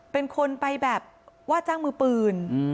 เป็นคนไปแบบว่าจ้างมือปืน